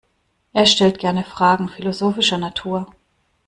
Er stellt gerne Fragen philosophischer Natur.